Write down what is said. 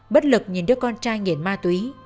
bất lực nhìn đứa con trai nghiện ma túy